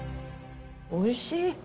おいしい。